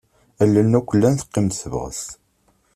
Allalen akk llan teqqim-d tebɣest.